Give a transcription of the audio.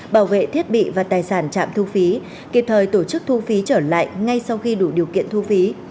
bảo vệ thiết bị và tài sản trạm thu phí kịp thời tổ chức thu phí trở lại ngay sau khi đủ điều kiện thu phí